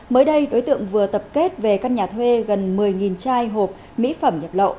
mới đây đối tượng vừa tập kết về căn nhà thuê gần một mươi chai hộp mỹ phẩm nhập lậu